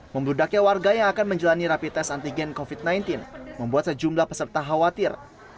membludaknya warga yang akan menjalani rapi tes antigen covid sembilan belas membuat sejumlah peserta khawatir